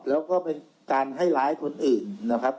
แล้วก็เป็นการให้ร้ายคนอื่นนะครับ